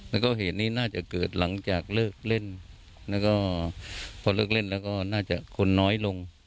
แล้วก็เหตุนี้น่าจะเกิดหลังจากเลิกเล่นแล้วก็พอเลิกเล่นแล้วก็น่าจะคนน้อยลง